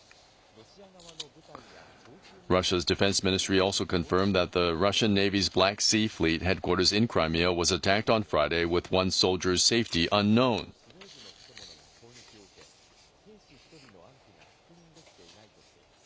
ロシア国防省も２２日黒海艦隊の司令部の建物が攻撃を受け兵士１人の安否が確認できていないとしています。